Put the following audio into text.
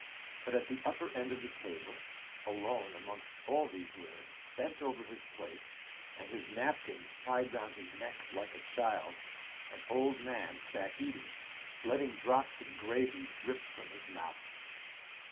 But at the upper end of the table, alone amongst all these women, bent over his full plate, and his napkin tied round his neck like a child, an old man sat eating, letting drops of gravy drip from his mouth.